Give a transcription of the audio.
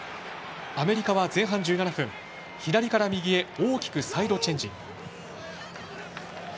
アメリカは前半１７分左から右へ大きくサイドチェンジ。